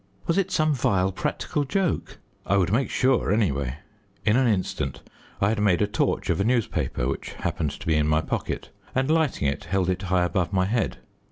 Was it some vile practical joke? I would make sure, anyway. In an instant I had made a torch of a newspaper, which happened to be in my pocket, and lighting it held it high above my head.